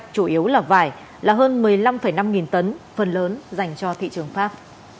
chủ yếu là vải là hơn một mươi năm năm nghìn tấn phần lớn dành cho thị trường pháp